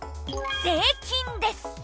「税金」です。